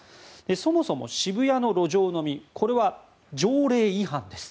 そもそも渋谷の路上飲みこれは条例違反です。